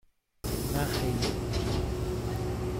نه خیلی کوتاه.